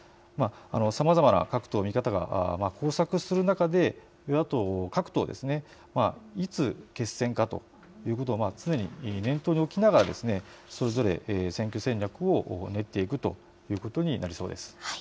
さまざまな各党、見方が交錯する中で野党各党、いつ決戦かということを常に念頭に置きながらそれぞれ選挙戦略を練っていくということになりそうです。